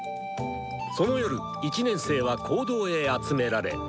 その夜１年生は講堂へ集められ。